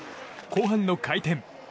後半の回転。